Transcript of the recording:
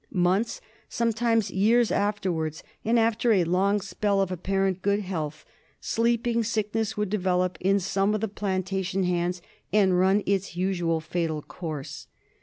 Months, sometimes years afterwards, and after a long spell of apparent good health, Sleeping Sickness would develop in some of the plantation hands and run its usual fatal course.